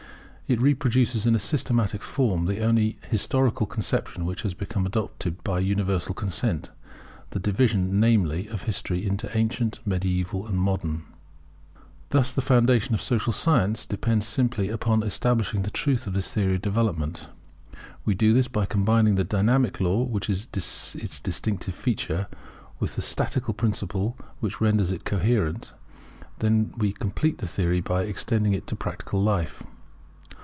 It reproduces in a systematic form the only historical conception which has become adopted by universal consent; the division, namely, of history into Ancient, Mediaeval, and Modern. Thus the foundation of Social science depends simply upon establishing the truth of this theory of development. We do this by combining the dynamic law, which is its distinctive feature, with the statical principle which renders it coherent; we then complete the theory by extending it to practical life.